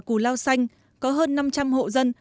củ lao xanh có hơn năm trăm linh hộ dân